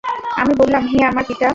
আমি বললাম, হে আমার পিতা!